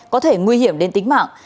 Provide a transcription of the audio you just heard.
có thể nguy hiểm đến tính mạng